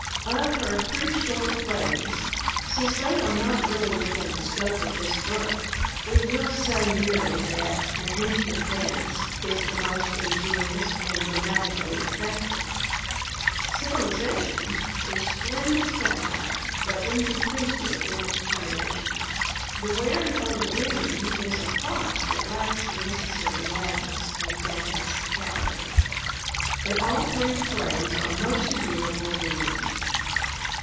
Of her Three Short Plays, since they are not really within the scope of this book, we will say merely that An Ancient Dance is the most ingenious and dra matically effective. Civilisation is splendid satire but inconclusive in its termination. The Wearin' 0' The Green is' a farce that lacks the necessary madness and fantasticality. But all three plays are most agreeable reading.